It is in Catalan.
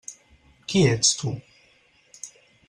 Qui ets tu?